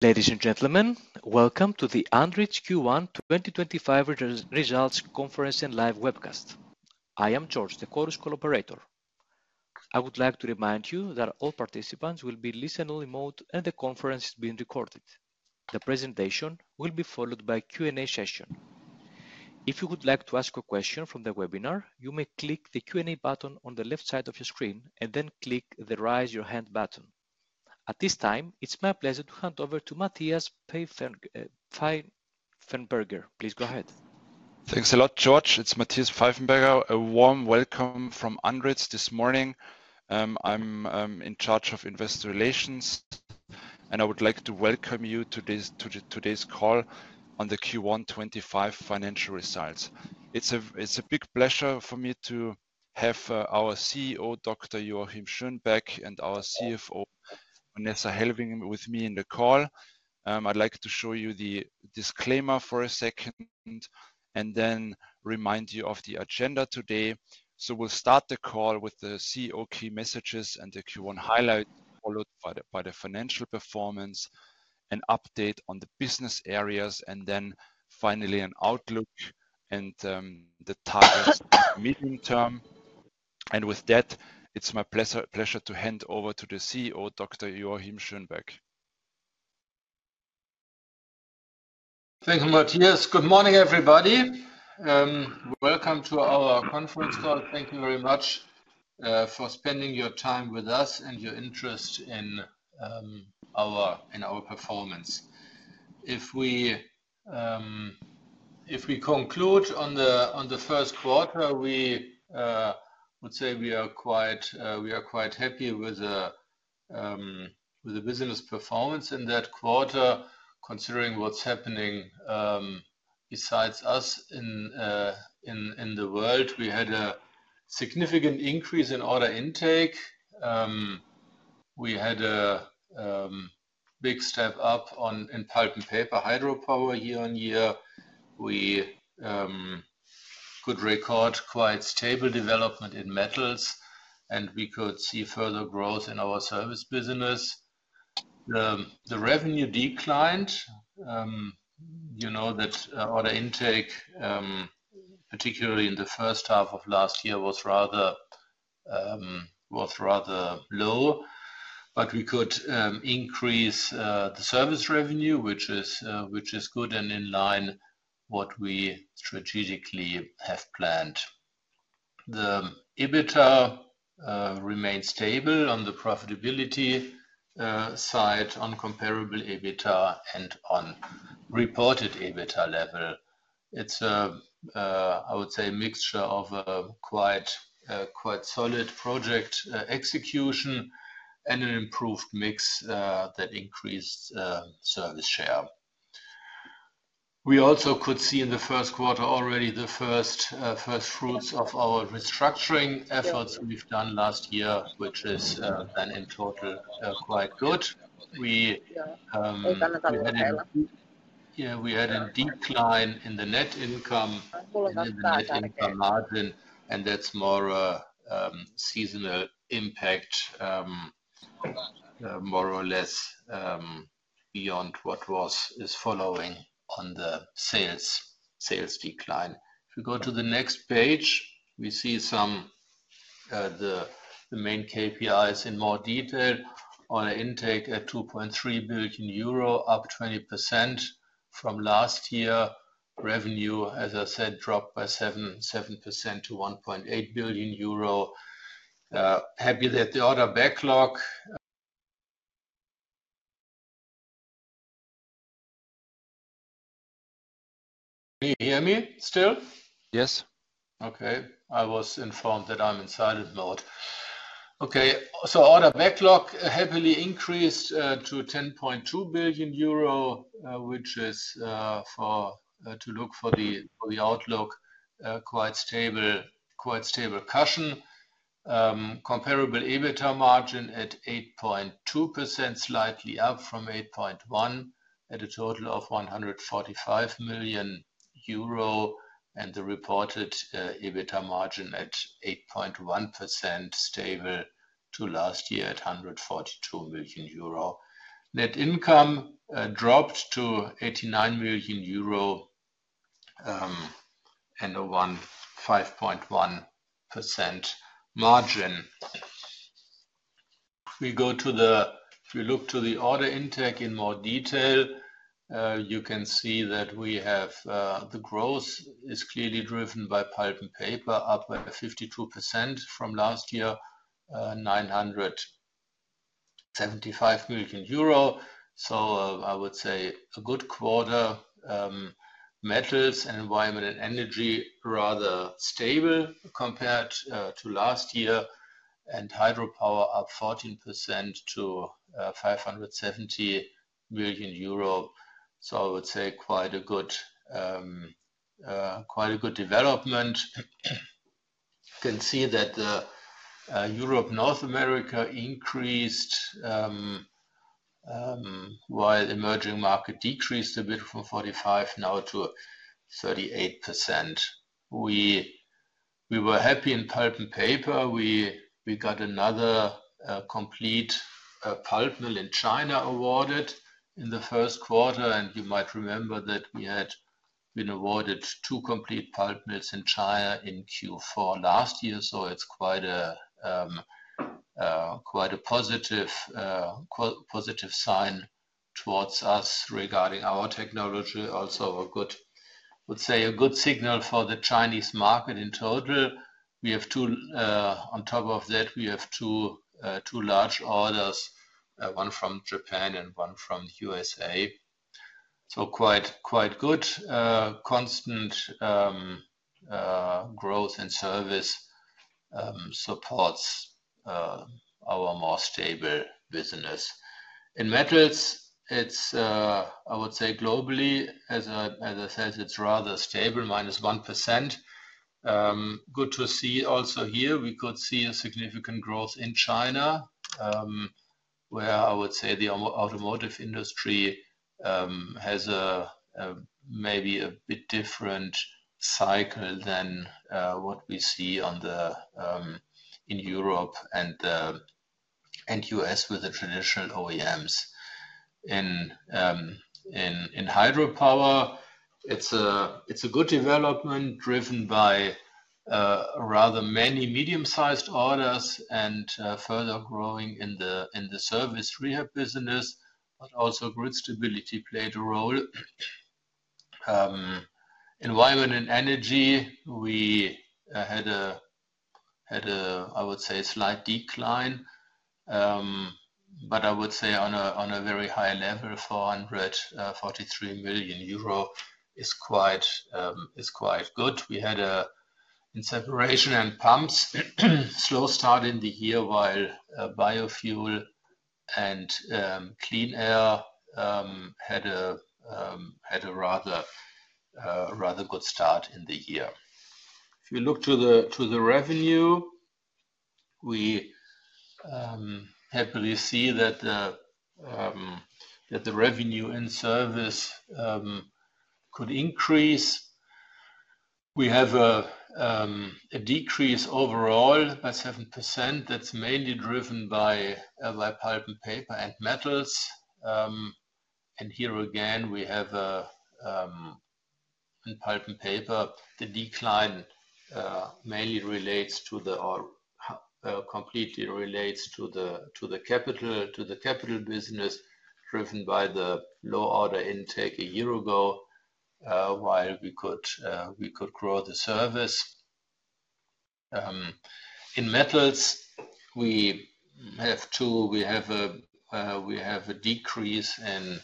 Ladies and gentlemen, welcome to the Andritz Q1 2025 Results Conference and Live Webcast. I am George, the Chorus Call operator. I would like to remind you that all participants will be in listen-only mode, and the conference is being recorded. The presentation will be followed by a Q&A session. If you would like to ask a question from the webinar, you may click the Q&A button on the left side of your screen and then click the Raise Your Hand button. At this time, it's my pleasure to hand over to Matthias Pfeifenberger. Please go ahead. Thanks a lot, George. It's Matthias Pfeifenberger. A warm welcome from Andritz this morning. I'm in charge of investor relations, and I would like to welcome you to today's call on the Q1 2025 financial results. It's a big pleasure for me to have our CEO, Dr. Joachim Schönbeck, and our CFO, Vanessa Hellwing, with me in the call. I'd like to show you the disclaimer for a second and then remind you of the agenda today. We will start the call with the CEO key messages and the Q1 highlights, followed by the financial performance, an update on the business areas, and then finally an outlook and the targets for the medium term. With that, it's my pleasure to hand over to the CEO, Dr. Joachim Schönbeck. Thank you, Matthias. Good morning, everybody. Welcome to our conference call. Thank you very much for spending your time with us and your interest in our performance. If we conclude on the first quarter, we would say we are quite happy with the business performance in that quarter, considering what's happening besides us in the world. We had a significant increase in order intake. We had a big step up in pulp and paper hydropower year-on-year. We could record quite stable development in metals, and we could see further growth in our service business. The revenue declined. You know that order intake, particularly in the first half of last year, was rather low, but we could increase the service revenue, which is good and in line with what we strategically have planned. The EBITDA remained stable on the profitability side, on comparable EBITDA and on reported EBITDA level. It's a, I would say, mixture of a quite solid project execution and an improved mix that increased service share. We also could see in the first quarter already the first fruits of our restructuring efforts we've done last year, which is then in total quite good. Yeah, we had a decline in the net income and the net income margin, and that's more a seasonal impact, more or less beyond what is following on the sales decline. If we go to the next page, we see some of the main KPIs in more detail. Order intake at 2.3 billion euro, up 20% from last year. Revenue, as I said, dropped by 7% to 1.8 billion euro. Happy that the order backlog. Can you hear me still? Yes. Okay. I was informed that I'm in silent mode. Okay. Order backlog happily increased to 10.2 billion euro, which is, to look for the outlook, quite a stable cushion. Comparable EBITDA margin at 8.2%, slightly up from 8.1% at a total of 145 million euro, and the reported EBITDA margin at 8.1%, stable to last year at 142 million euro. Net income dropped to 89 million euro and a 1.5% margin. If we go to the, if we look to the order intake in more detail, you can see that we have the growth is clearly driven by pulp and paper, up by 52% from last year, 975 million euro. I would say a good quarter. Metals and environment and energy rather stable compared to last year, and hydropower up 14% to 570 million euro. I would say quite a good development. You can see that Europe and North America increased while emerging market decreased a bit from 45% now to 38%. We were happy in pulp and paper. We got another complete pulp mill in China awarded in the first quarter, and you might remember that we had been awarded two complete pulp mills in China in Q4 last year. It is quite a positive sign towards us regarding our technology. Also, I would say a good signal for the Chinese market in total. We have, on top of that, two large orders, one from Japan and one from the USA. Quite good. Constant growth and service supports our more stable business. In metals, I would say globally, as I said, it is rather stable, minus 1%. Good to see also here. We could see a significant growth in China, where I would say the automotive industry has maybe a bit different cycle than what we see in Europe and the U.S. with the traditional OEMs. In hydropower, it is a good development driven by rather many medium-sized orders and further growing in the service rehab business, but also grid stability played a role. Environment and energy, we had, I would say, a slight decline, but I would say on a very high level, 443 million euro is quite good. We had, in separation and pumps, a slow start in the year, while biofuel and clean air had a rather good start in the year. If you look to the revenue, we happily see that the revenue in service could increase. We have a decrease overall by 7%. That is mainly driven by pulp and paper and metals. Here again, we have in pulp and paper, the decline mainly relates to the capital business, driven by the low order intake a year ago, while we could grow the service. In metals, we have a decrease in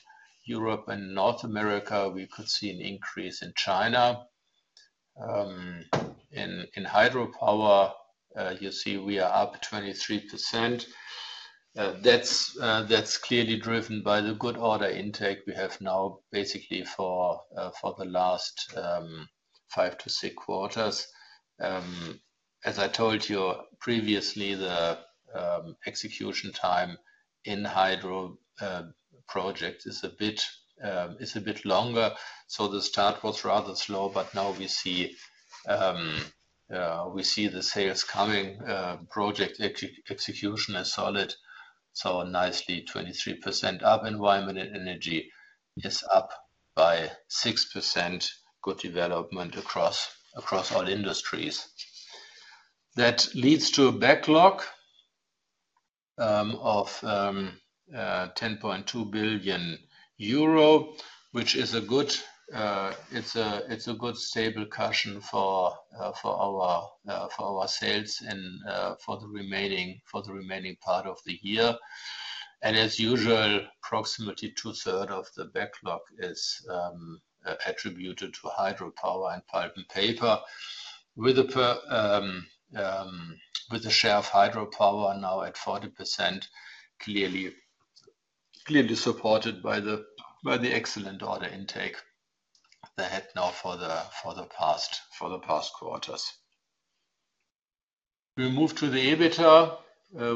Europe and North America. We could see an increase in China. In hydropower, you see we are up 23%. That is clearly driven by the good order intake we have now basically for the last five to six quarters. As I told you previously, the execution time in hydro projects is a bit longer. The start was rather slow, but now we see the sales coming. Project execution is solid. Nicely, 23% up. Environment and energy is up by 6%. Good development across all industries. That leads to a backlog of 10.2 billion euro, which is a good, it's a good stable cushion for our sales and for the remaining part of the year. As usual, approximately two-thirds of the backlog is attributed to hydropower and pulp and paper, with a share of hydropower now at 40%, clearly supported by the excellent order intake they had now for the past quarters. We move to the EBITDA.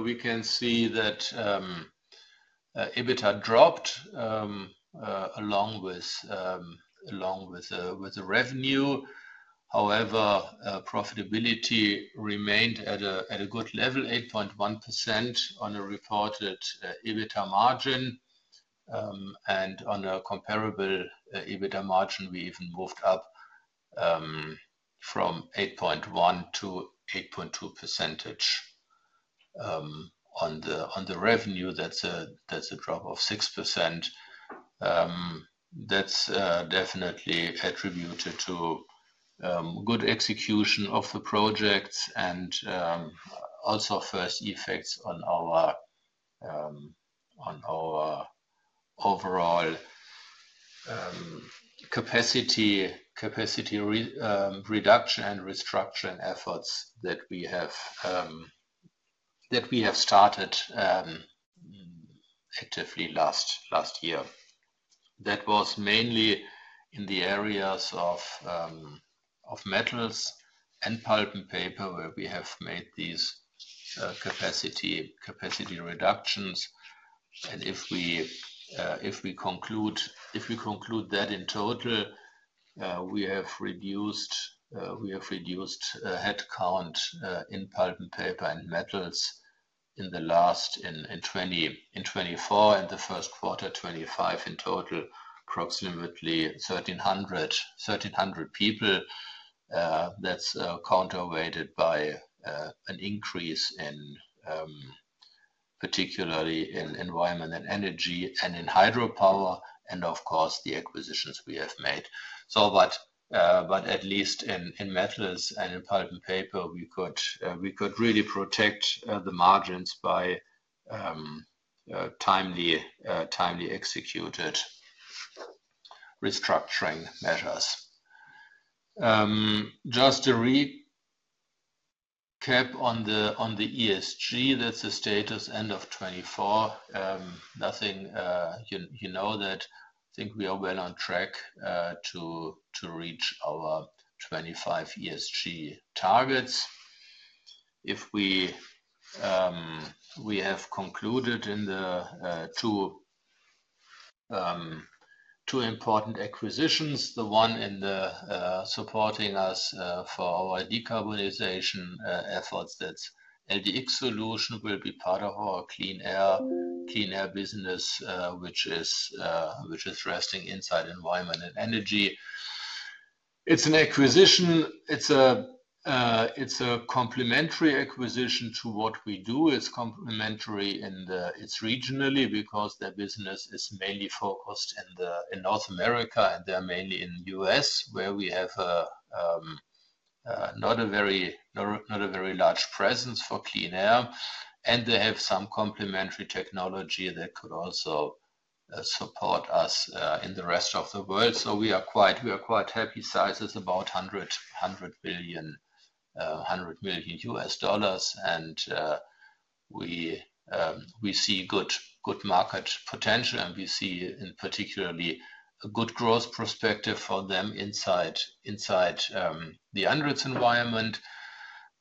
We can see that EBITDA dropped along with the revenue. However, profitability remained at a good level, 8.1% on a reported EBITDA margin. On a comparable EBITDA margin, we even moved up from 8.1% to 8.2% on the revenue. That's a drop of 6%. That's definitely attributed to good execution of the projects and also first effects on our overall capacity reduction and restructuring efforts that we have started actively last year. That was mainly in the areas of metals and pulp and paper, where we have made these capacity reductions. If we conclude that in total, we have reduced headcount in pulp and paper and metals in 2024 and the first quarter, 2025, in total, approximately 1,300 people. That is counterweighted by an increase particularly in environment and energy and in hydropower and, of course, the acquisitions we have made. At least in metals and in pulp and paper, we could really protect the margins by timely executed restructuring measures. Just to recap on the ESG, that is the status end of 2024. You know that I think we are well on track to reach our 2025 ESG targets. If we have concluded in the two important acquisitions, the one in supporting us for our decarbonization efforts, that's LDX Solutions, will be part of our clean air business, which is resting inside environment and energy. It's an acquisition. It's a complementary acquisition to what we do. It's complementary in its regionally because their business is mainly focused in North America, and they're mainly in the US, where we have not a very large presence for clean air. They have some complementary technology that could also support us in the rest of the world. We are quite happy. Size is about $100 million. We see good market potential, and we see particularly a good growth perspective for them inside the Andritz environment.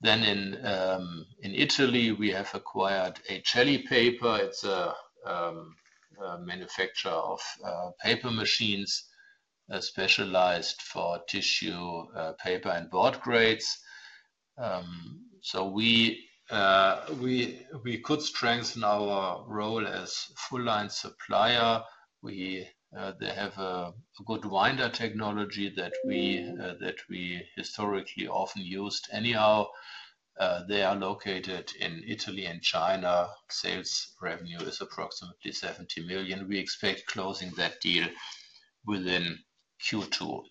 In Italy, we have acquired Celli Paper. It's a manufacturer of paper machines specialized for tissue paper and board grades. We could strengthen our role as full-line supplier. They have a good winder technology that we historically often used anyhow. They are located in Italy and China. Sales revenue is approximately 70 million. We expect closing that deal within Q2.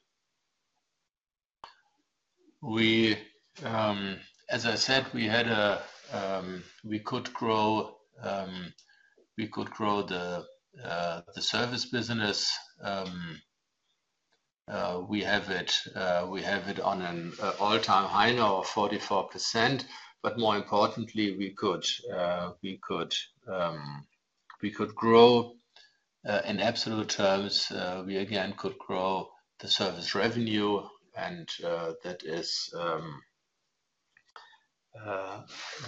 As I said, we could grow the service business. We have it on an all-time high now of 44%. More importantly, we could grow in absolute terms. We again could grow the service revenue, and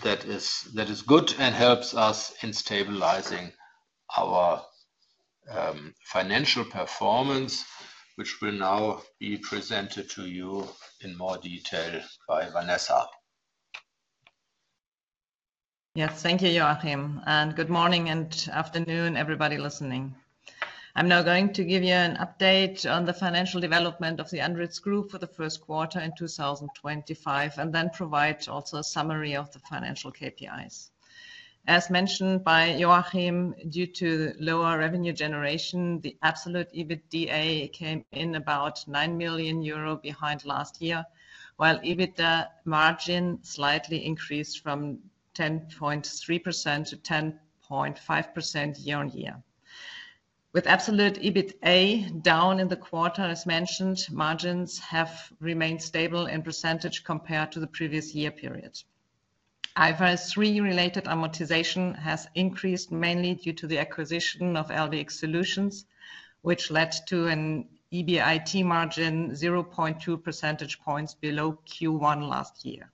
that is good and helps us in stabilizing our financial performance, which will now be presented to you in more detail by Vanessa. Yes. Thank you, Joachim. Good morning and afternoon, everybody listening. I'm now going to give you an update on the financial development of the Andritz group for the first quarter in 2025, and then provide also a summary of the financial KPIs. As mentioned by Joachim, due to lower revenue generation, the absolute EBITDA came in about 9 million euro behind last year, while EBITDA margin slightly increased from 10.3% to 10.5% year-on-year. With absolute EBITA down in the quarter, as mentioned, margins have remained stable in percentage compared to the previous year period. IFRS 3 related amortization has increased mainly due to the acquisition of LDX Solutions, which led to an EBIT margin 0.2 percentage points below Q1 last year.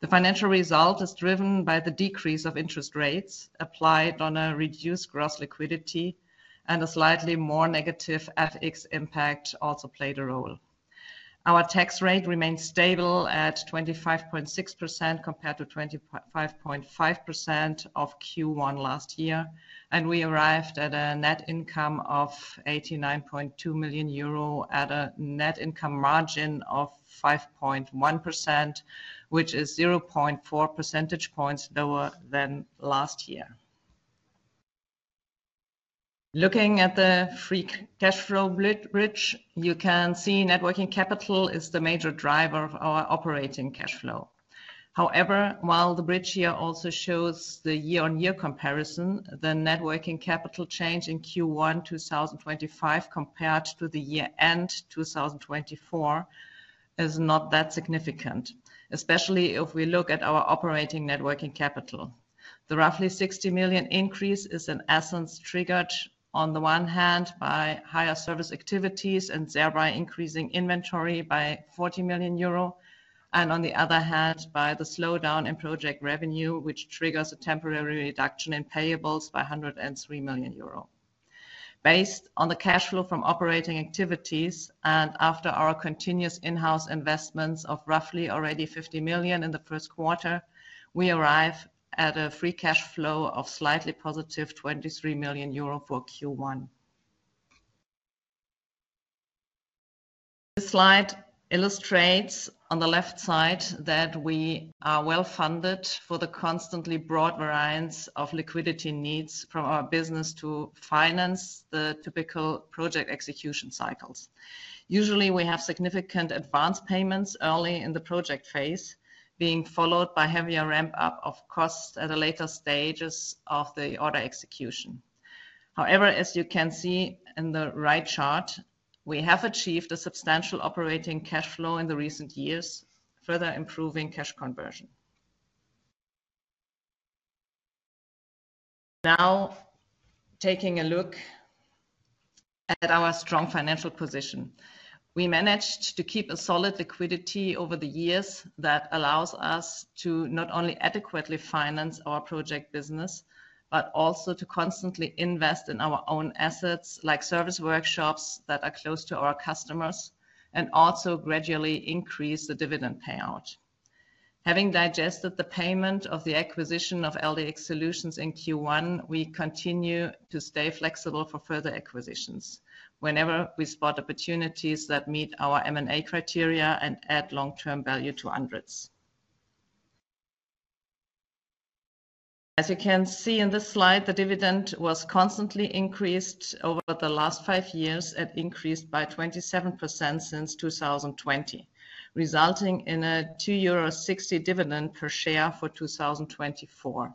The financial result is driven by the decrease of interest rates applied on a reduced gross liquidity, and a slightly more negative FX impact also played a role. Our tax rate remained stable at 25.6% compared to 25.5% of Q1 last year, and we arrived at a net income of 89.2 million euro at a net income margin of 5.1%, which is 0.4 percentage points lower than last year. Looking at the free cash flow bridge, you can see net working capital is the major driver of our operating cash flow. However, while the bridge here also shows the year-on-year comparison, the net working capital change in Q1 2025 compared to the year-end 2024 is not that significant, especially if we look at our operating net working capital. The roughly 60 million increase is in essence triggered on the one hand by higher service activities and thereby increasing inventory by 40 million euro, and on the other hand by the slowdown in project revenue, which triggers a temporary reduction in payables by 103 million euro. Based on the cash flow from operating activities and after our continuous in-house investments of roughly already 50 million in the first quarter, we arrive at a free cash flow of slightly positive 23 million euro for Q1. This slide illustrates on the left side that we are well funded for the constantly broad variance of liquidity needs from our business to finance the typical project execution cycles. Usually, we have significant advance payments early in the project phase, being followed by heavier ramp-up of costs at the later stages of the order execution. However, as you can see in the right chart, we have achieved a substantial operating cash flow in the recent years, further improving cash conversion. Now, taking a look at our strong financial position, we managed to keep a solid liquidity over the years that allows us to not only adequately finance our project business, but also to constantly invest in our own assets like service workshops that are close to our customers and also gradually increase the dividend payout. Having digested the payment of the acquisition of LDX Solutions in Q1, we continue to stay flexible for further acquisitions whenever we spot opportunities that meet our M&A criteria and add long-term value to Andritz. As you can see in this slide, the dividend was constantly increased over the last five years and increased by 27% since 2020, resulting in a 2.60 euro dividend per share for 2024,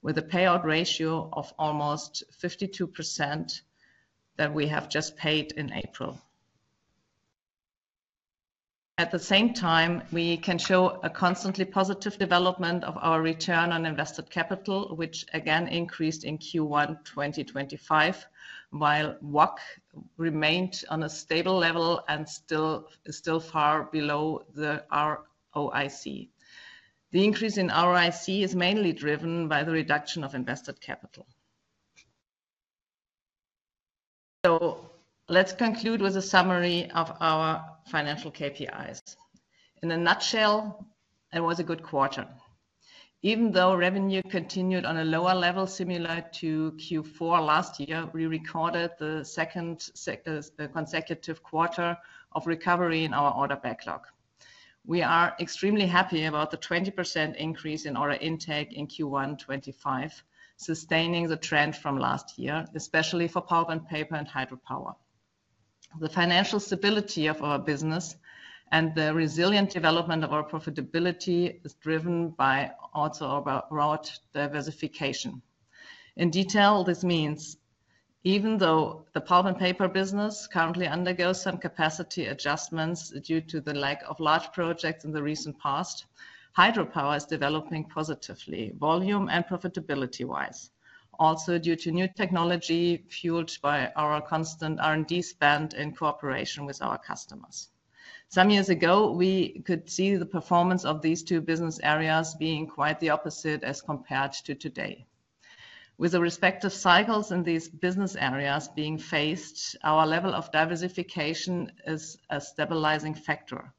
with a payout ratio of almost 52% that we have just paid in April. At the same time, we can show a constantly positive development of our return on invested capital, which again increased in Q1 2025, while WACC remained on a stable level and still far below the ROIC. The increase in ROIC is mainly driven by the reduction of invested capital. Let's conclude with a summary of our financial KPIs. In a nutshell, it was a good quarter. Even though revenue continued on a lower level similar to Q4 last year, we recorded the second consecutive quarter of recovery in our order backlog. We are extremely happy about the 20% increase in order intake in Q1 2025, sustaining the trend from last year, especially for pulp and paper and hydropower. The financial stability of our business and the resilient development of our profitability is driven by also our broad diversification. In detail, this means even though the pulp and paper business currently undergoes some capacity adjustments due to the lack of large projects in the recent past, hydropower is developing positively volume and profitability-wise, also due to new technology fueled by our constant R&D spend in cooperation with our customers. Some years ago, we could see the performance of these two business areas being quite the opposite as compared to today. With the respective cycles in these business areas being phased, our level of diversification is a stabilizing factor.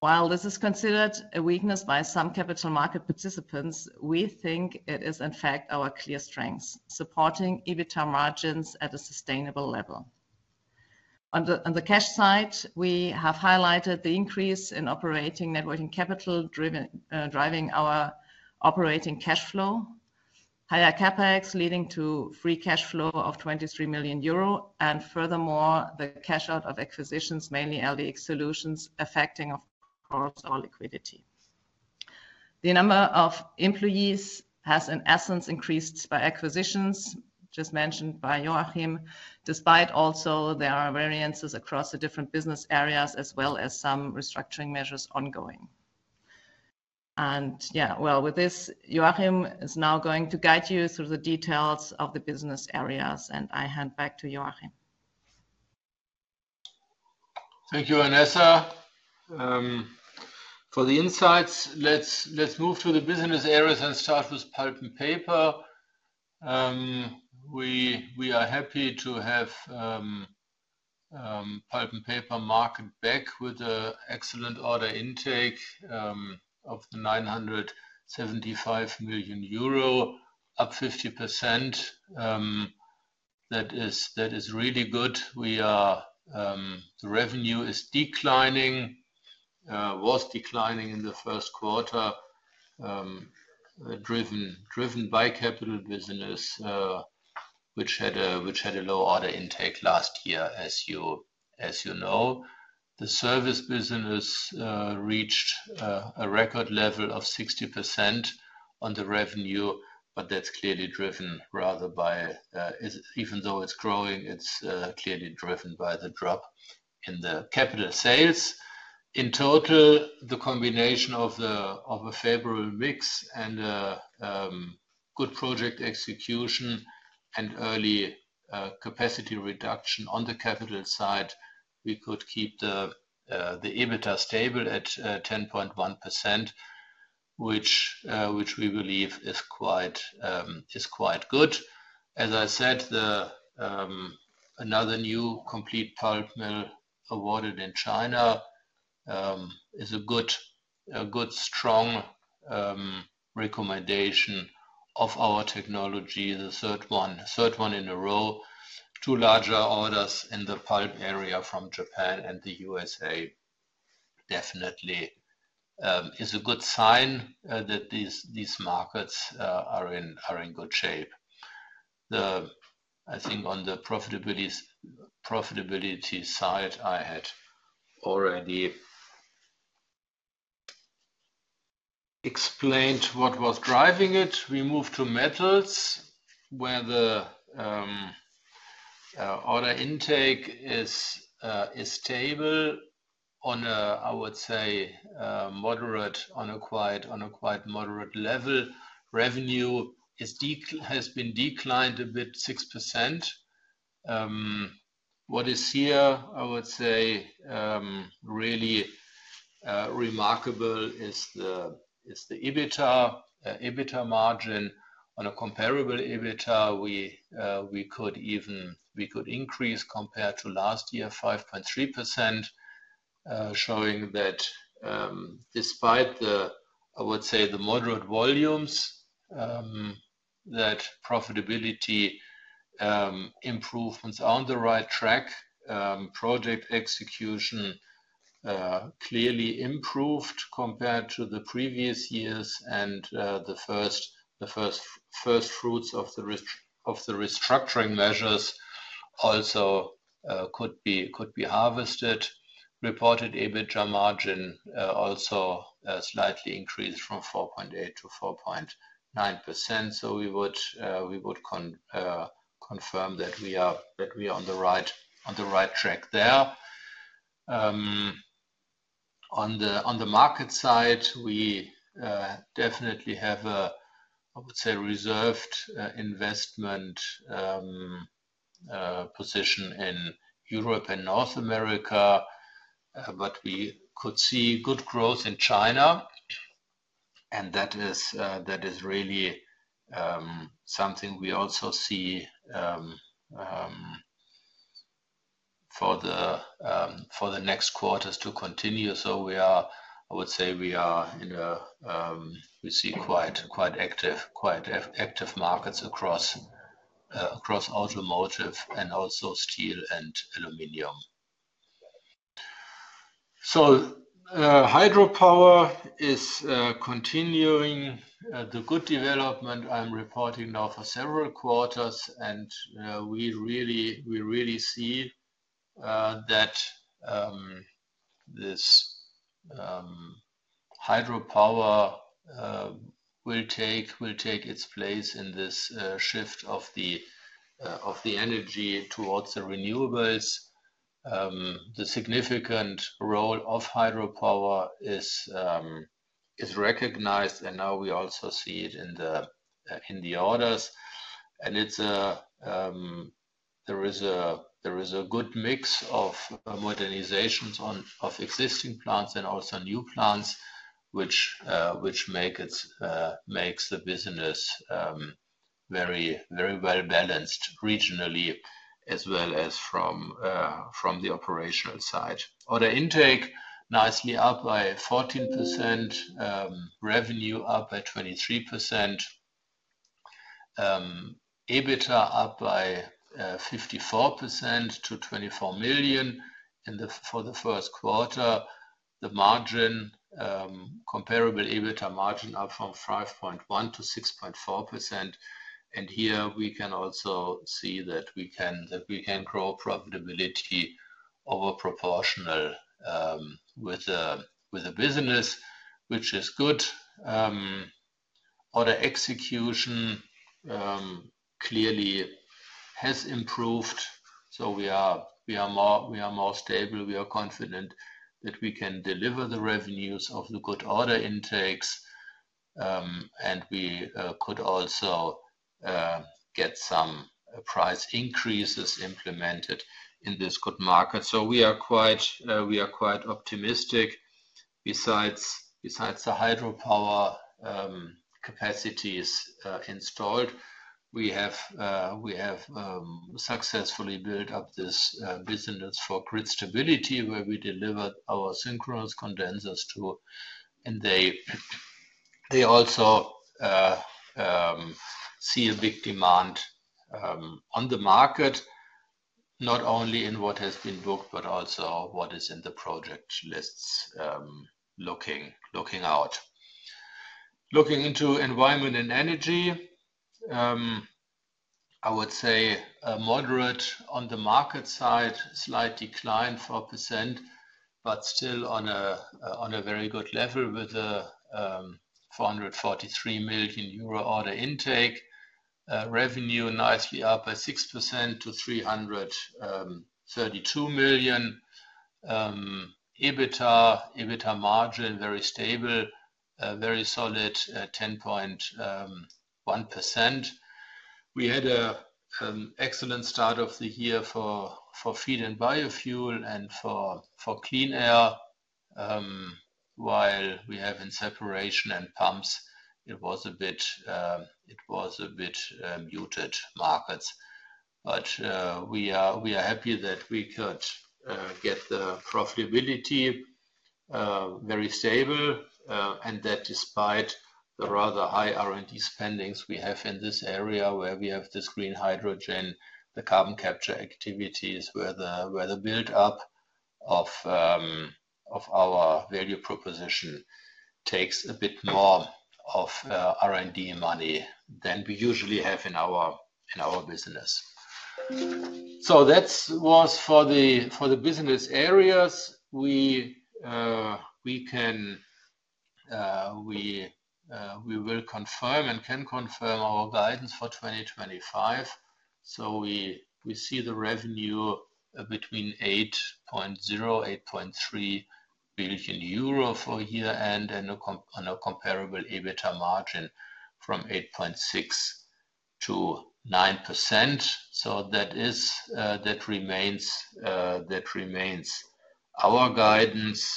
While this is considered a weakness by some capital market participants, we think it is in fact our clear strengths, supporting EBITDA margins at a sustainable level. On the cash side, we have highlighted the increase in operating net working capital driving our operating cash flow, higher CapEx leading to free cash flow of 23 million euro, and furthermore, the cash out of acquisitions, mainly LDX Solutions, affecting of course our liquidity. The number of employees has in essence increased by acquisitions just mentioned by Joachim, despite also there are variances across the different business areas as well as some restructuring measures ongoing. Yeah, with this, Joachim is now going to guide you through the details of the business areas, and I hand back to Joachim. Thank you, Vanessa. For the insights, let's move to the business areas and start with pulp and paper. We are happy to have pulp and paper market back with an excellent order intake of 975 million euro, up 50%. That is really good. The revenue is declining, was declining in the first quarter, driven by capital business, which had a low order intake last year, as you know. The service business reached a record level of 60% on the revenue, but that's clearly driven rather by, even though it's growing, it's clearly driven by the drop in the capital sales. In total, the combination of a favorable mix and good project execution and early capacity reduction on the capital side, we could keep the EBITDA stable at 10.1%, which we believe is quite good. As I said, another new complete pulp mill awarded in China is a good, strong recommendation of our technology, the third one in a row. Two larger orders in the pulp area from Japan and the USA definitely is a good sign that these markets are in good shape. I think on the profitability side, I had already explained what was driving it. We moved to metals, where the order intake is stable on a, I would say, moderate, on a quite moderate level. Revenue has been declined a bit, 6%. What is here, I would say, really remarkable is the EBITDA margin. On a comparable EBITDA, we could increase compared to last year 5.3%, showing that despite the, I would say, the moderate volumes, that profitability improvements are on the right track. Project execution clearly improved compared to the previous years, and the first fruits of the restructuring measures also could be harvested. Reported EBITDA margin also slightly increased from 4.8% to 4.9%. We would confirm that we are on the right track there. On the market side, we definitely have, I would say, a reserved investment position in Europe and North America, but we could see good growth in China, and that is really something we also see for the next quarters to continue. I would say we are in a, we see quite active markets across automotive and also steel and aluminum. Hydropower is continuing the good development I am reporting now for several quarters, and we really see that this hydropower will take its place in this shift of the energy towards the renewables. The significant role of hydropower is recognized, and now we also see it in the orders. There is a good mix of modernizations of existing plants and also new plants, which makes the business very well balanced regionally as well as from the operational side. Order intake nicely up by 14%, revenue up by 23%, EBITDA up by 54% to 24 million for the first quarter. The comparable EBITDA margin up from 5.1% to 6.4%. Here we can also see that we can grow profitability over-proportional with the business, which is good. Order execution clearly has improved, so we are more stable. We are confident that we can deliver the revenues of the good order intakes, and we could also get some price increases implemented in this good market. We are quite optimistic. Besides the hydropower capacities installed, we have successfully built up this business for grid stability, where we delivered our synchronous condensers to, and they also see a big demand on the market, not only in what has been booked, but also what is in the project lists looking out. Looking into environment and energy, I would say moderate on the market side, slight decline for 4%, but still on a very good level with a 443 million euro order intake. Revenue nicely up by 6% to 332 million. EBITDA margin very stable, very solid, 10.1%. We had an excellent start of the year for feed and biofuel and for clean air, while we have in separation and pumps, it was a bit muted markets. We are happy that we could get the profitability very stable and that despite the rather high R&D spendings we have in this area where we have this green hydrogen, the carbon capture activities where the build-up of our value proposition takes a bit more of R&D money than we usually have in our business. That was for the business areas. We will confirm and can confirm our guidance for 2025. We see the revenue between 8.0 billion-8.3 billion euro for year-end and a comparable EBITDA margin from 8.6%-9%. That remains our guidance.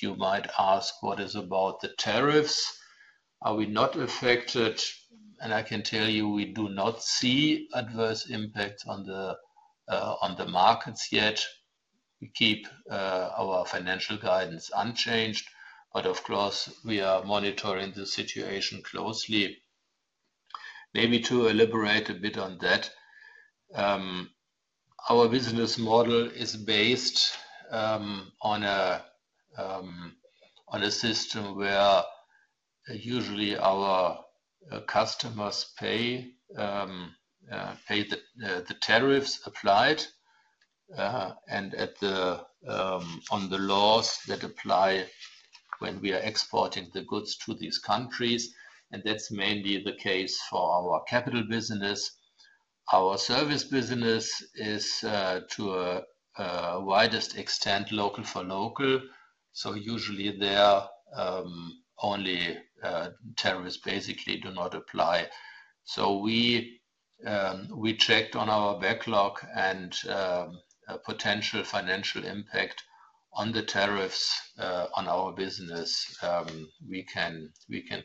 You might ask, what is about the tariffs? Are we not affected? I can tell you we do not see adverse impacts on the markets yet. We keep our financial guidance unchanged, but of course, we are monitoring the situation closely. Maybe to elaborate a bit on that, our business model is based on a system where usually our customers pay the tariffs applied and on the laws that apply when we are exporting the goods to these countries. That is mainly the case for our capital business. Our service business is to a widest extent local for local. Usually there only tariffs basically do not apply. We checked on our backlog and potential financial impact on the tariffs on our business. We can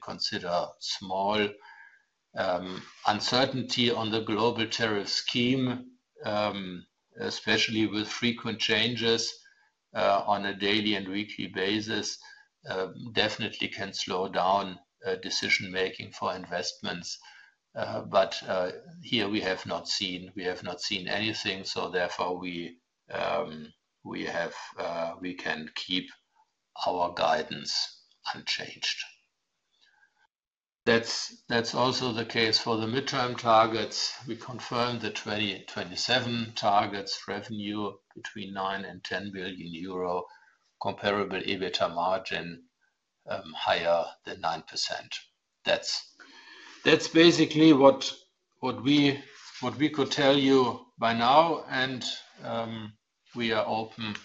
consider small uncertainty on the global tariff scheme, especially with frequent changes on a daily and weekly basis, definitely can slow down decision-making for investments. Here we have not seen anything, therefore we can keep our guidance unchanged. That is also the case for the midterm targets. We confirmed the 2027 targets revenue between 9 billion and 10 billion euro, comparable EBITDA margin higher than 9%. That's basically what we could tell you by now, and we are open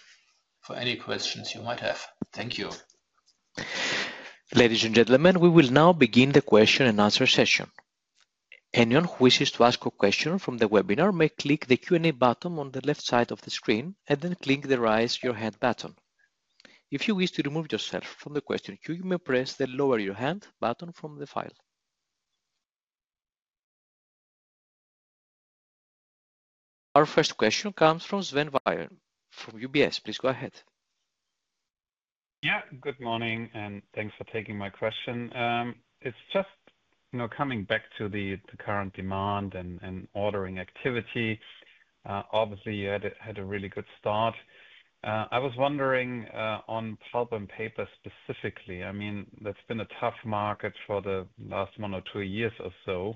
for any questions you might have. Thank you. Ladies and gentlemen, we will now begin the question and answer session. Anyone who wishes to ask a question from the webinar may click the Q&A button on the left side of the screen and then click the Raise Your Hand button. If you wish to remove yourself from the question queue, you may press the Lower Your Hand button from the file. Our first question comes from Sven Weier from UBS. Please go ahead. Yeah, good morning and thanks for taking my question. It's just coming back to the current demand and ordering activity. Obviously, you had a really good start. I was wondering on pulp and paper specifically, I mean, that's been a tough market for the last one or two years or so.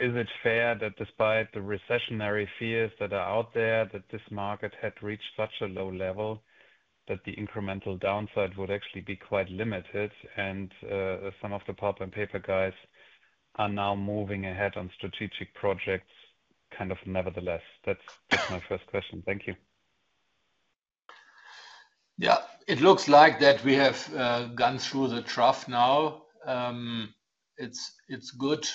Is it fair that despite the recessionary fears that are out there, that this market had reached such a low level that the incremental downside would actually be quite limited and some of the pulp and paper guys are now moving ahead on strategic projects kind of nevertheless? That's my first question. Thank you. Yeah, it looks like that we have gone through the trough now. It's good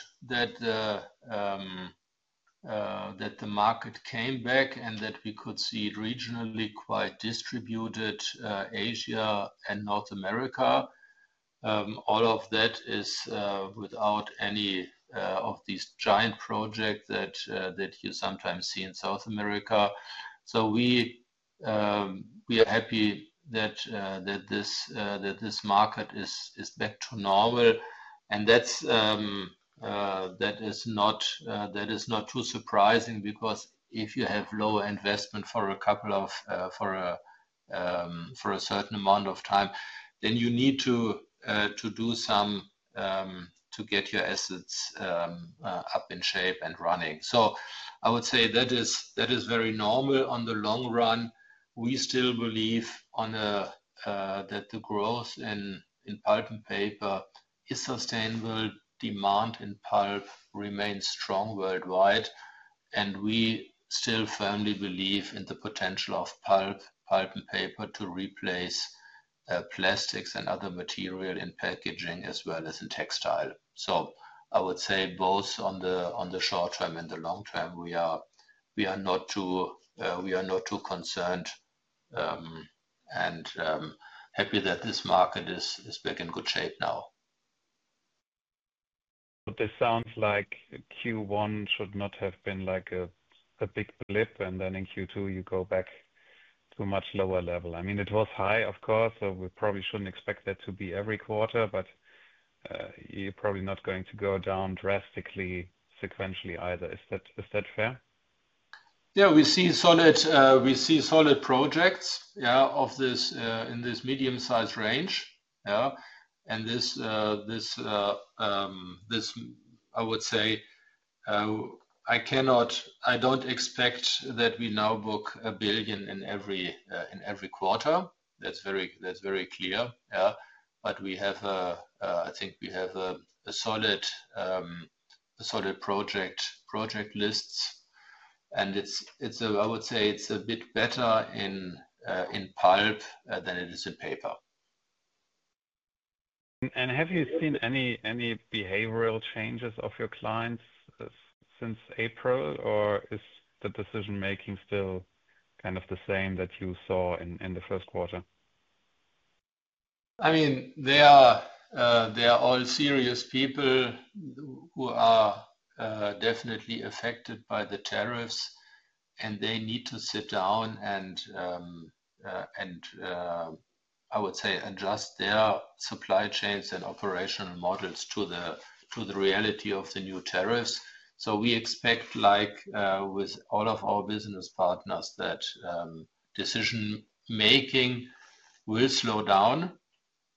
that the market came back and that we could see regionally quite distributed Asia and North America. All of that is without any of these giant projects that you sometimes see in South America. We are happy that this market is back to normal. That is not too surprising because if you have low investment for a certain amount of time, then you need to do some to get your assets up in shape and running. I would say that is very normal on the long run. We still believe that the growth in pulp and paper is sustainable. Demand in pulp remains strong worldwide, and we still firmly believe in the potential of pulp and paper to replace plastics and other material in packaging as well as in textile. I would say both on the short term and the long term, we are not too concerned and happy that this market is back in good shape now. This sounds like Q1 should not have been like a big blip, and then in Q2 you go back to a much lower level. I mean, it was high, of course, so we probably should not expect that to be every quarter, but you are probably not going to go down drastically sequentially either. Is that fair? Yeah, we see solid projects in this medium-sized range. I would say, I do not expect that we now book a billion in every quarter. That is very clear. I think we have a solid project list. I would say it is a bit better in pulp than it is in paper. Have you seen any behavioral changes of your clients since April, or is the decision-making still kind of the same that you saw in the first quarter? I mean, they are all serious people who are definitely affected by the tariffs, and they need to sit down and, I would say, adjust their supply chains and operational models to the reality of the new tariffs. We expect with all of our business partners that decision-making will slow down,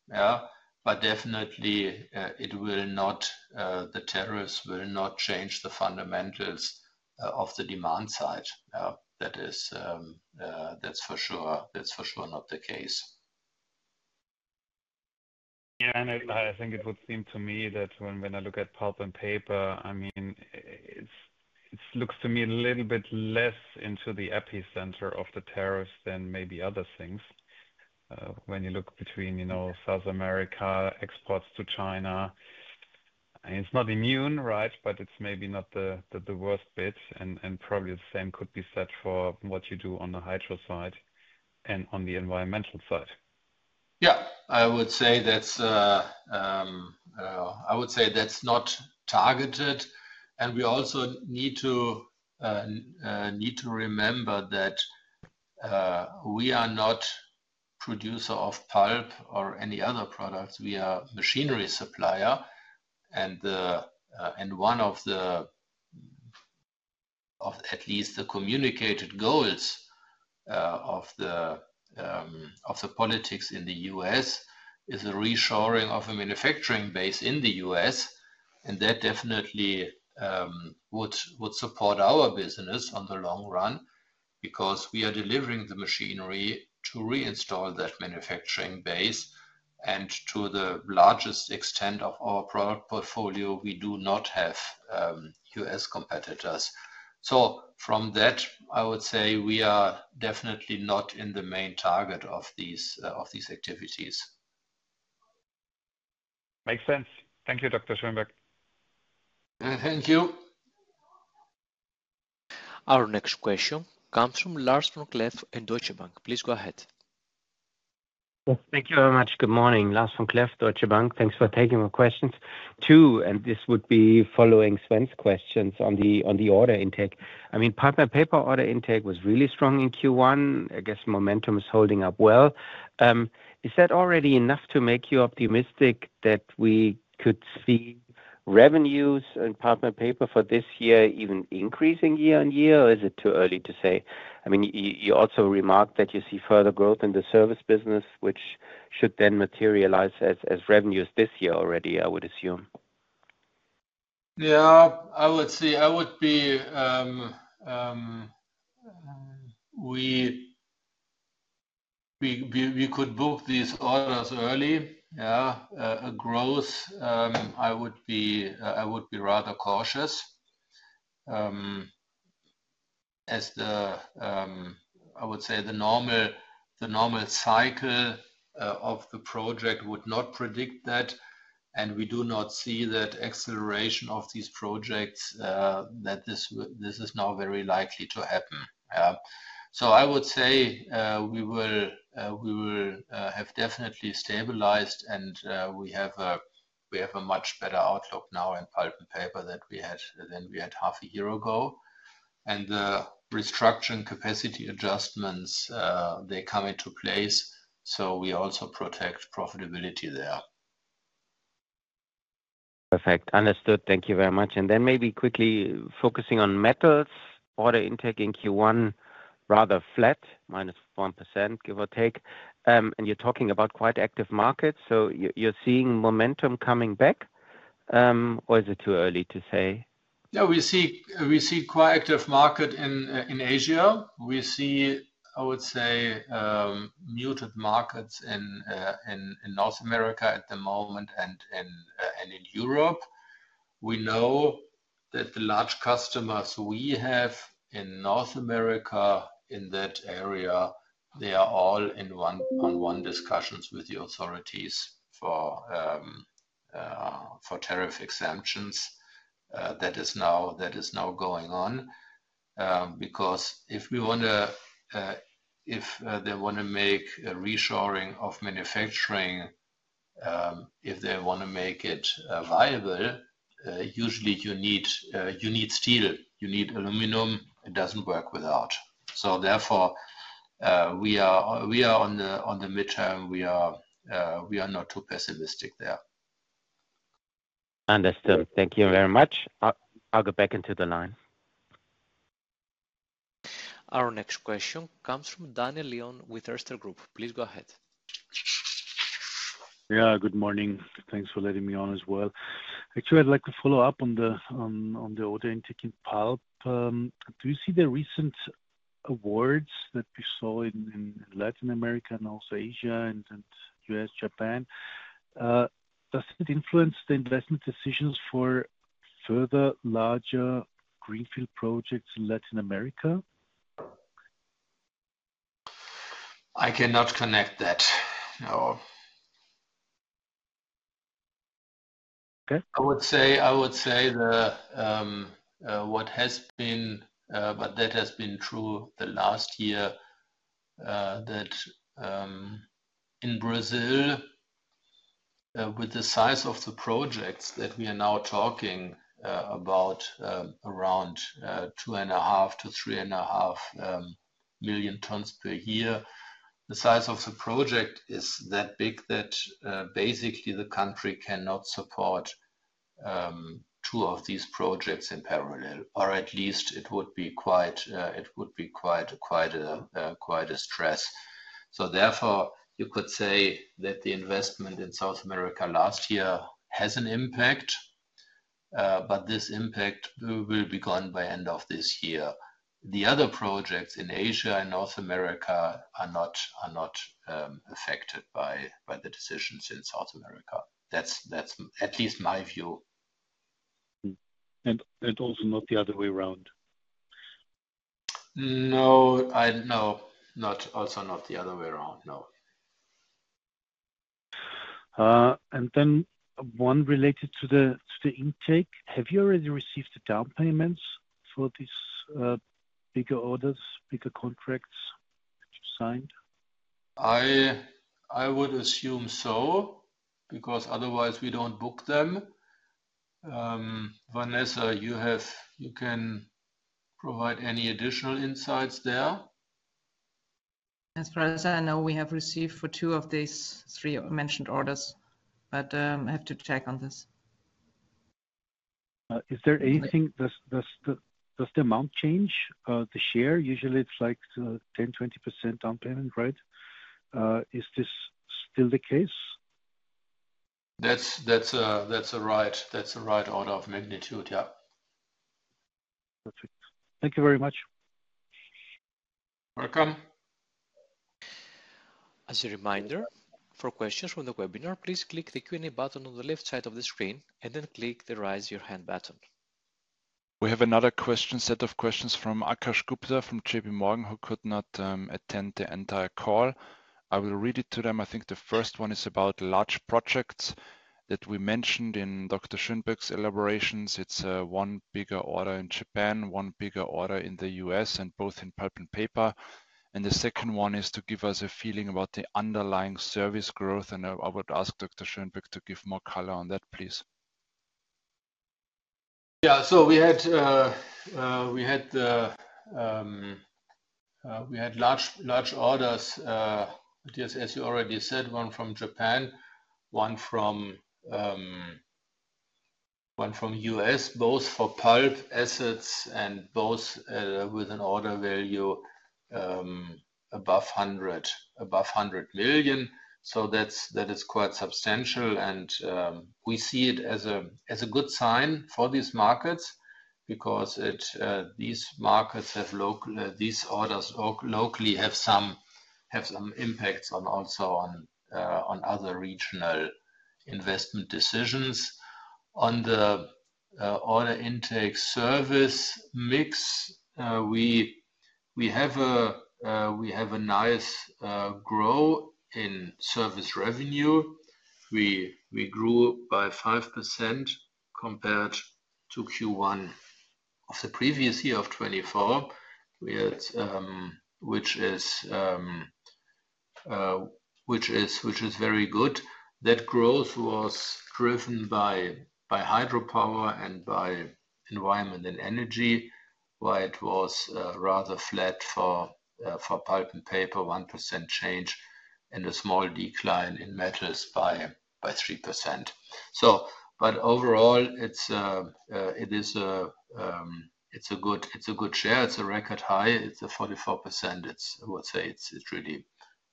but definitely the tariffs will not change the fundamentals of the demand side. That's for sure not the case. Yeah, and I think it would seem to me that when I look at pulp and paper, I mean, it looks to me a little bit less into the epicenter of the tariffs than maybe other things. When you look between South America, exports to China, it's not immune, right? But it's maybe not the worst bit. And probably the same could be said for what you do on the hydro side and on the environmental side. Yeah, I would say that's not targeted. We also need to remember that we are not a producer of pulp or any other products. We are a machinery supplier. One of at least the communicated goals of the politics in the U.S. is the reshoring of a manufacturing base in the U.S. That definitely would support our business in the long run because we are delivering the machinery to reinstall that manufacturing base. To the largest extent of our product portfolio, we do not have U.S. competitors. From that, I would say we are definitely not in the main target of these activities. Makes sense. Thank you, Dr. Schönbeck. Thank you. Our next question comes from Lars vom Cleff and Deutsche Bank. Please go ahead. Thank you very much. Good morning. Lars vom Cleff, Deutsche Bank. Thanks for taking our questions too. This would be following Sven's questions on the order intake. I mean, pulp and paper order intake was really strong in Q1. I guess momentum is holding up well. Is that already enough to make you optimistic that we could see revenues in pulp and paper for this year even increasing year-on-year? Is it too early to say? I mean, you also remarked that you see further growth in the service business, which should then materialize as revenues this year already, I would assume. Yeah, I would see we could book these orders early, a growth. I would be rather cautious as the, I would say, the normal cycle of the project would not predict that. We do not see that acceleration of these projects, that this is now very likely to happen. I would say we will have definitely stabilized and we have a much better outlook now in pulp and paper than we had half a year ago. The restructuring capacity adjustments, they come into place. We also protect profitability there. Perfect. Understood. Thank you very much. Maybe quickly focusing on metals, order intake in Q1 rather flat, minus 1%, give or take. You're talking about quite active markets. Are you seeing momentum coming back? Or is it too early to say? Yeah, we see quite active market in Asia. We see, I would say, muted markets in North America at the moment and in Europe. We know that the large customers we have in North America in that area, they are all on one discussions with the authorities for tariff exemptions. That is now going on. Because if we want to if they want to make a reshoring of manufacturing, if they want to make it viable, usually you need steel. You need aluminum. It does not work without. Therefore, we are on the midterm. We are not too pessimistic there. Understood. Thank you very much. I'll go back into the line. Our next question comes from Daniel Lion with Erste Group. Please go ahead. Yeah, good morning. Thanks for letting me on as well. Actually, I'd like to follow up on the order intake in pulp. Do you see the recent awards that we saw in Latin America and also Asia and US, Japan? Does it influence the investment decisions for further larger greenfield projects in Latin America? I cannot connect that. No. I would say what has been, but that has been true the last year, that in Brazil, with the size of the projects that we are now talking about, around 2.5-3.5 million tons per year, the size of the project is that big that basically the country cannot support two of these projects in parallel. At least it would be quite a stress. Therefore, you could say that the investment in South America last year has an impact, but this impact will be gone by end of this year. The other projects in Asia and North America are not affected by the decisions in South America. That is at least my view. Also not the other way around? No, no. Also not the other way around, no. One related to the intake. Have you already received the down payments for these bigger orders, bigger contracts that you signed? I would assume so because otherwise we don't book them. Vanessa, you can provide any additional insights there? As far as I know, we have received for two of these three mentioned orders, but I have to check on this. Is there anything? Does the amount change, the share? Usually, it's like 10%-20% down payment, right? Is this still the case? That's a right order of magnitude, yeah. Perfect. Thank you very much. Welcome. As a reminder, for questions from the webinar, please click the Q&A button on the left side of the screen and then click the Raise Your Hand button. We have another question, set of questions from Akash Gupta from JPMorgan, who could not attend the entire call. I will read it to them. I think the first one is about large projects that we mentioned in Dr. Schönbeck's elaborations. It is one bigger order in Japan, one bigger order in the US, and both in pulp and paper. The second one is to give us a feeling about the underlying service growth. I would ask Dr. Schönbeck to give more color on that, please. Yeah, we had large orders, as you already said, one from Japan, one from the US, both for pulp assets and both with an order value above 100 million. That is quite substantial. We see it as a good sign for these markets because these orders locally have some impacts also on other regional investment decisions. On the order intake service mix, we have a nice growth in service revenue. We grew by 5% compared to Q1 of the previous year, 2024, which is very good. That growth was driven by hydropower and by environment and energy. While it was rather flat for pulp and paper, 1% change, and a small decline in metals by 3%. Overall, it is a good share. It is a record high. It is 44%. I would say it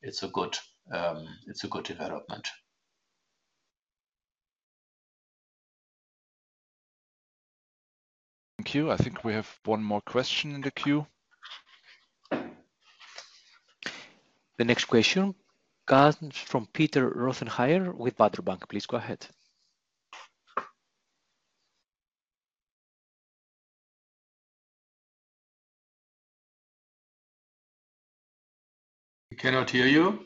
is a good development. Thank you. I think we have one more question in the queue. The next question comes from. [inaudible] Please go ahead. We cannot hear you.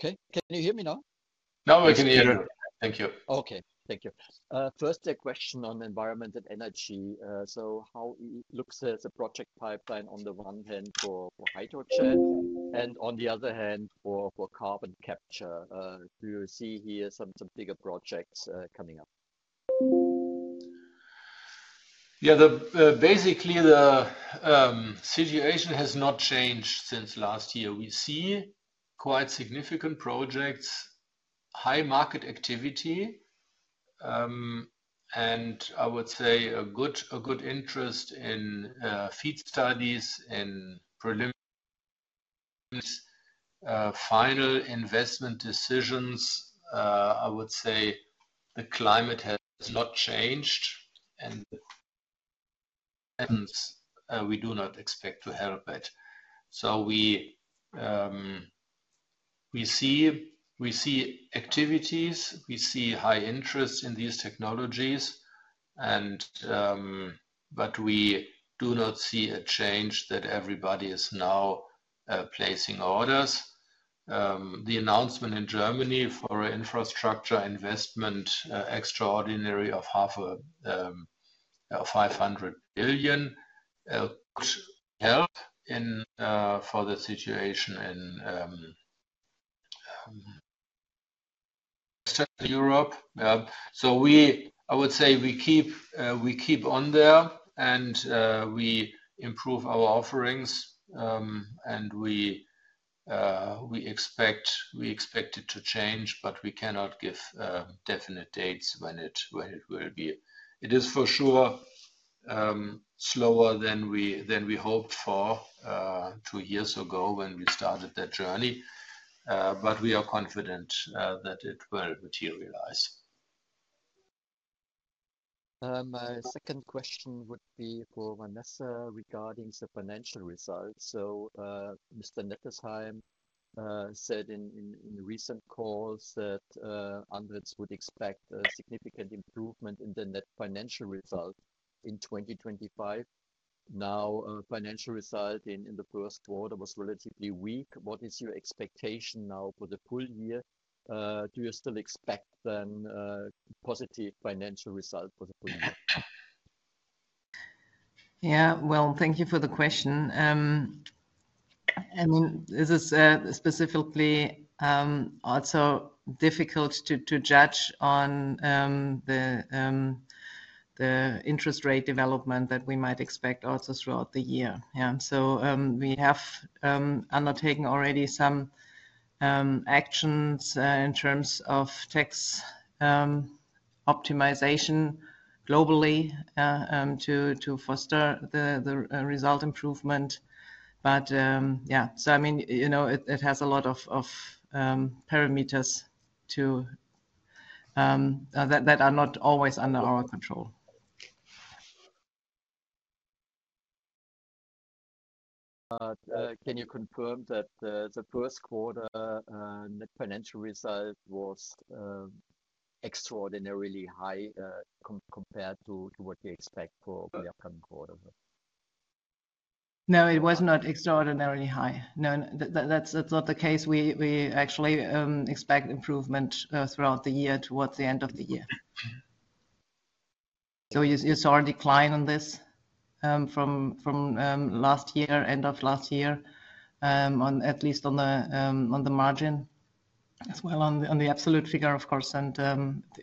Okay. Can you hear me now? Now we can hear you. Thank you. Okay. Thank you. First, a question on environment and energy. How does it look as a project pipeline on the one hand for hydrogen and on the other hand for carbon capture? Do you see here some bigger projects coming up? Yeah, basically the situation has not changed since last year. We see quite significant projects, high market activity, and I would say a good interest in feed studies and preliminary final investment decisions. I would say the climate has not changed and we do not expect to help it. We see activities, we see high interest in these technologies, but we do not see a change that everybody is now placing orders. The announcement in Germany for an infrastructure investment extraordinary of 500 billion could help for the situation in Western Europe. I would say we keep on there and we improve our offerings and we expect it to change, but we cannot give definite dates when it will be. It is for sure slower than we hoped for two years ago when we started that journey, but we are confident that it will materialize. My second question would be for Vanessa regarding the financial results. Mr. Nettesheim said in recent calls that Andritz would expect a significant improvement in the net financial result in 2025. Now, financial result in the first quarter was relatively weak. What is your expectation now for the full year? Do you still expect then positive financial result for the full year? Yeah. Thank you for the question. I mean, this is specifically also difficult to judge on the interest rate development that we might expect also throughout the year. We have undertaken already some actions in terms of tax optimization globally to foster the result improvement. Yeah, I mean, it has a lot of parameters that are not always under our control. Can you confirm that the first quarter net financial result was extraordinarily high compared to what you expect for the upcoming quarter? No, it was not extraordinarily high. No, that's not the case. We actually expect improvement throughout the year towards the end of the year. You saw a decline on this from last year, end of last year, at least on the margin as well on the absolute figure, of course.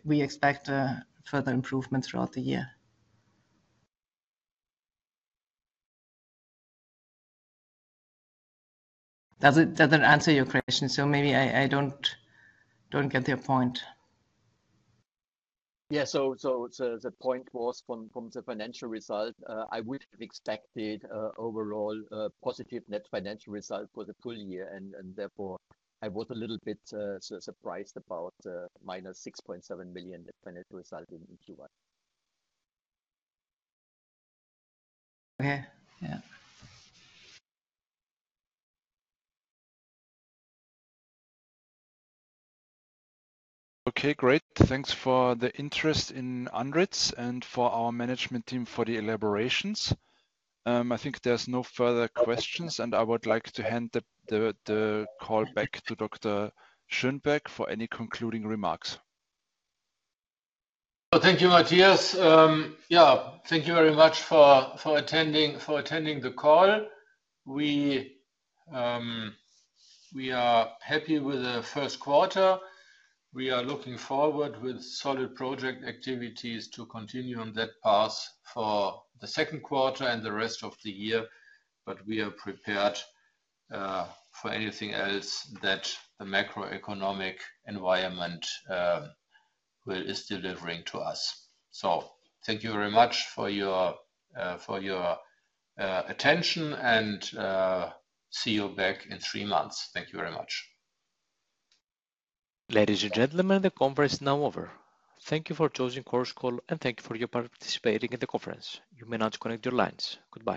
We expect further improvement throughout the year. Does that answer your question? Maybe I do not get the point. Yeah. The point was from the financial result. I would have expected overall positive net financial result for the full year. Therefore, I was a little bit surprised about -6.7 million net financial result in Q1. Okay. Yeah. Okay. Great. Thanks for the interest in Andritz and for our management team for the elaborations. I think there's no further questions, and I would like to hand the call back to Dr. Schönbeck for any concluding remarks. Thank you, Matthias. Yeah, thank you very much for attending the call. We are happy with the first quarter. We are looking forward with solid project activities to continue on that path for the second quarter and the rest of the year. We are prepared for anything else that the macroeconomic environment is delivering to us. Thank you very much for your attention and see you back in three months. Thank you very much. Ladies and gentlemen, the conference is now over. Thank you for choosing Chorus call and thank you for participating in the conference. You may now disconnect your lines. Goodbye.